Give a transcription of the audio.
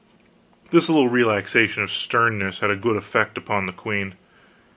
This little relaxation of sternness had a good effect upon the queen.